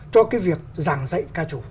cho cái việc giảng dạy ca chủ